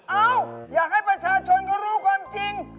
เอ้าอยากให้ประชาชนเขารู้ความจริง